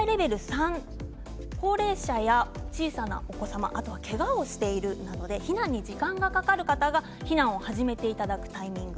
３高齢者や小さなお子様けがをしているなどで避難に時間がかかる方が避難を始めていただくタイミング。